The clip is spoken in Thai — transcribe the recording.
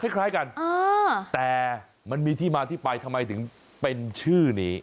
คล้ายกันแต่มันมีที่มาที่ไปทำไมถึงเป็นชื่อนี้